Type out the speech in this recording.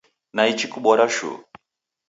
Naichi kubora shuu